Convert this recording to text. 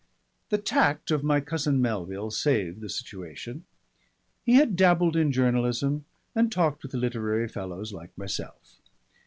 The tact of my cousin Melville saved the situation. He had dabbled in journalism and talked with literary fellows like myself.